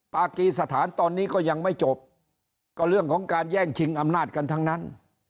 ปากีสถานตอนนี้ก็ยังไม่จบก็เรื่องของการแย่งชิงอำนาจกันทั้งนั้น